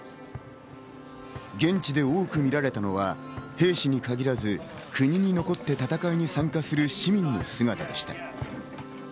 現地で多く見られたのは兵士に限らず国に残って戦いに参加する市民の姿でした。